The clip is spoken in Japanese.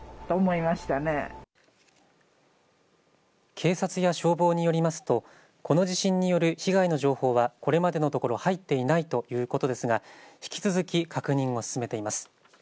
警察や消防によりますとこの地震による被害の情報はこれまでのところ入っていないということですが引き続き、確認を進めています。